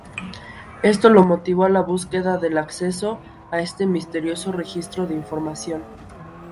Esto lo motivó a la búsqueda del acceso a este misterioso registro de información.